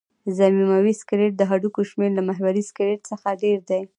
ضمیموي سکلېټ د هډوکو شمېر له محوري سکلېټ څخه ډېر دی.